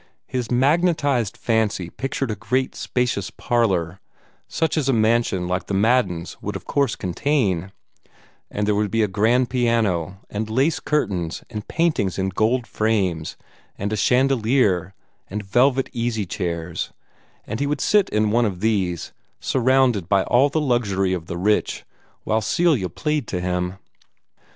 His magnetized fancy pictured a great spacious parlor, such as a mansion like the Maddens' would of course contain, and there would be a grand piano, and lace curtains, and paintings in gold frames, and a chandelier, and velvet easy chairs, and he would sit in one of these, surrounded by all the luxury of the rich, while Celia played to him.